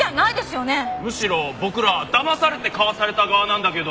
むしろ僕らだまされて買わされた側なんだけど。